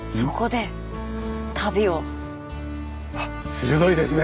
鋭いですね！